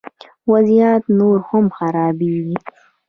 وضعیت نور هم خرابیږي